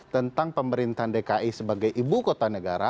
tentang pemerintahan dki sebagai ibu kota negara